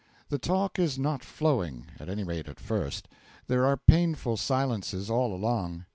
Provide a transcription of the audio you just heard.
The talk is not flowing at any rate at first; there are painful silences all along.